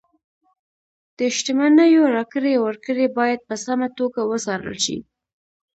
د شتمنیو راکړې ورکړې باید په سمه توګه وڅارل شي.